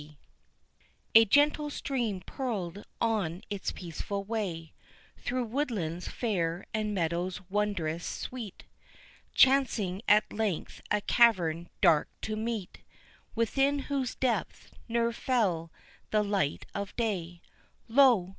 A gentle stream purled on its peaceful way Through woodlands fair and meadows wondrous sweet, Chancing at length a cavern dark to meet Within whose depth ne'er fell the light of day; Lo!